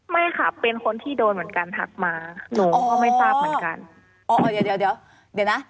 ไม่ค่ะเป็นคนที่โดนเหมือนกันทักมาหนูก็ไม่ทราบเหมือนกัน